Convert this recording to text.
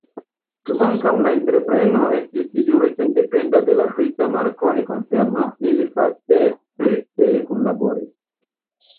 Kvankam la entrepreno estis jure sendependa de la brita Marconi-konserno, ili fakte strikte kunlaboris.